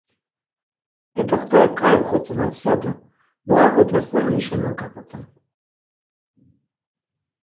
E doxt̆orik k̆ai oxotzonaps ya do mu ağodasna emuşa nunk̆ap̆ut̆un.